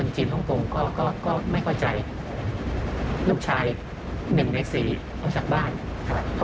จะไปไปตั้งเนธที่ศิริรัชาสามวัน